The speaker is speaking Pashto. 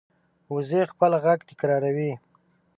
وزې خپل غږ تکراروي